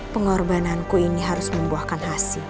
pengorbananku ini harus membuahkan hasil